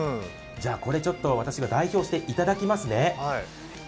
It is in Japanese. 私が代表していただきますね。